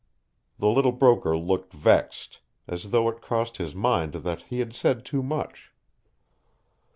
The little broker looked vexed, as though it crossed his mind that he had said too much.